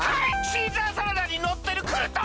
シーザーサラダにのってるクルトン！